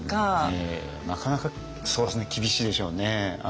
なかなかそうですね厳しいでしょうね。